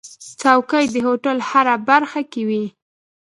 چوکۍ د هوټل هره برخه کې وي.